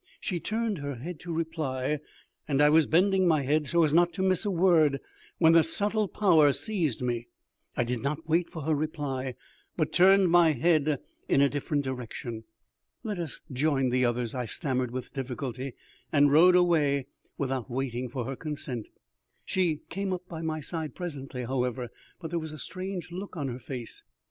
She turned her head to reply, and I was bending my head so as not to miss a word when a subtle power seized me. I did not wait for her reply, but turned my head in a different direction. "Let us join the others," I stammered with difficulty, and rode away without waiting for her consent. She came up by my side again presently, however, but there was a strange look on her face.